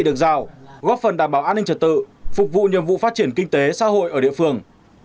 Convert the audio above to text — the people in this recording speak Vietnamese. được giao góp phần đảm bảo an ninh trật tự phục vụ nhiệm vụ phát triển kinh tế xã hội ở địa phương